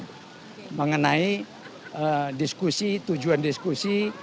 tidak paham mengenai diskusi tujuan diskusi